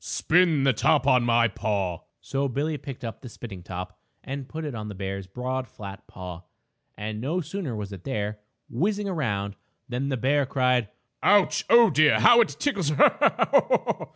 "Spin the top on my paw." So Billie picked up the spinning top and put it on the bear's broad, flat paw. And, no sooner was it there, whizzing around, than the bear cried: "Ouch! Oh, dear! How it tickles. Ha! Ha! Ha!